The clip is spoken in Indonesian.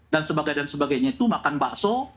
dan sebagainya sebagainya itu makan bakso